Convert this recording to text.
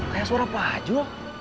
kayak suara pak juh